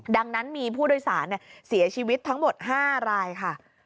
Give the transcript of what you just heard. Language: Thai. ดังนั้นมีผู้โดยสารเสียชีวิตทั้งหมด๕รายค่ะ